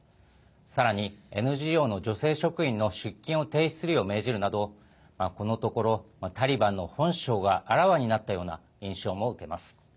さらに、ＮＧＯの女性職員の出勤を停止するよう命じるなどこのところ、タリバンの本性があらわになったような印象も受けます。